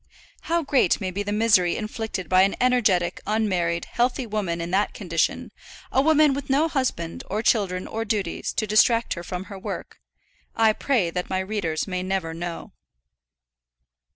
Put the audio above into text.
How great may be the misery inflicted by an energetic, unmarried, healthy woman in that condition, a woman with no husband, or children, or duties, to distract her from her work I pray that my readers may never know.